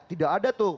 tidak ada tuh